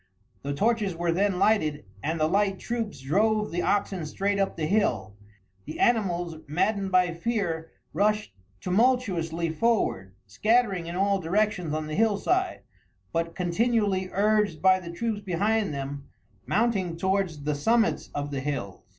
The torches were then lighted, and the light troops drove the oxen straight up the hill. The animals, maddened by fear, rushed tumultuously forward, scattering in all directions on the hillside, but, continually urged by the troops behind them, mounting towards the summits of the hills.